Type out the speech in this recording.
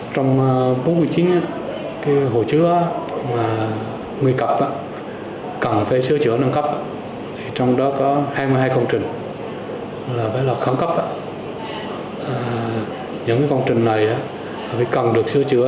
trong bốn mươi chín hồ chứa người cập cần phải sửa chữa nâng cấp trong đó có hai mươi hai công trình khẳng cấp những công trình này cần được sửa chữa